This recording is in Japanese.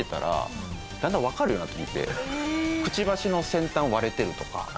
くちばしの先端割れてるとか。